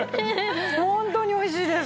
ホントにおいしいです。